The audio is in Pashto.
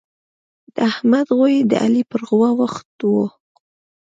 د احمد غويی د علي پر غوا وخوت.